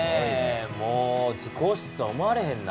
もう図工室とは思われへんな。